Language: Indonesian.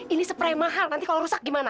ini supply mahal nanti kalau rusak gimana